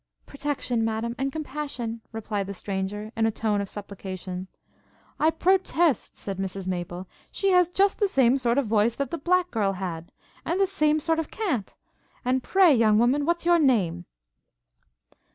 'Protection, Madam, and compassion!' replied the stranger, in a tone of supplication. 'I protest,' said Mrs Maple, 'she has just the same sort of voice that that black girl had! and the same sort of cant! And pray, young woman, what's your name?'